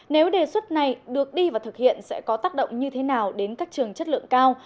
nếu đề xuất này được đi và thực hiện sẽ có tác động như thế nào đến các trường chất lượng cao